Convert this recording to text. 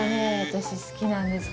私好きなんです